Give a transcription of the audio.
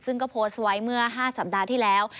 ซึ่งก็โพสต์ไว้เมื่อ๕สัปดาห์ที่แล้ว